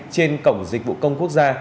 trên cổng dịch vụ công quốc gia